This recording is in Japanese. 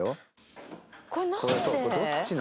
どっちの？